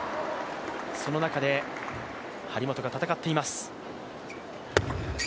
その中で張本が戦っています。